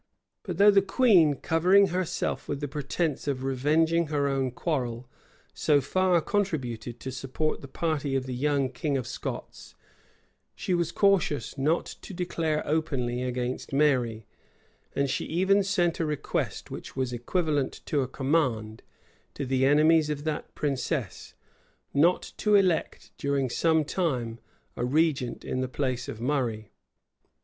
[] But though the queen, covering herself with the pretence of revenging her own quarrel, so far contributed to support the party of the young king of Scots, she was cautious not to declare openly against Mary; and she even sent a request, which was equivalent to a command, to the enemies of that princess, not to elect, during some time, a regent in the place of Murray.